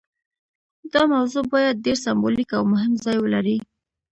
دا موضوع باید ډیر سمبولیک او مهم ځای ولري.